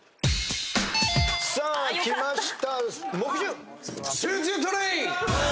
さあきました